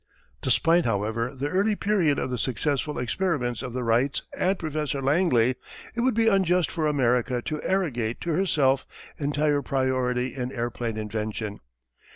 Despite, however, the early period of the successful experiments of the Wrights and Professor Langley, it would be unjust for America to arrogate to herself entire priority in airplane invention.